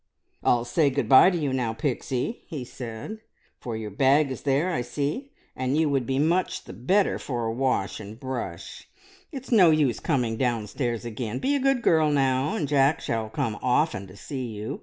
"I'll say good bye to you now, Pixie," he said, "for your bag is there, I see, and you would be much the better for a wash and brush. It's no use coming downstairs again. Be a good girl, now, and Jack shall come often to see you!